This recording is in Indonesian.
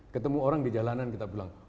ketemu orang di jalanan kita bilang